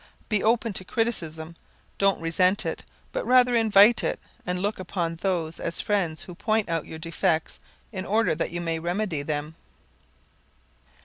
Be open to criticism, don't resent it but rather invite it and look upon those as friends who point out your defects in order that you may remedy them.